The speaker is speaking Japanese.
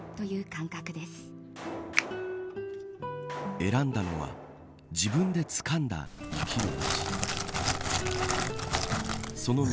選んだのは自分でつかんだ生きる道。